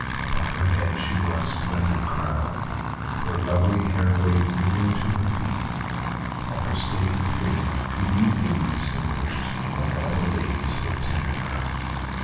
Upon her head she wore a splendid crown, her lovely hair waved nearly to her feet, and her stately figure could easily be distinguished among all the ladies who attended her.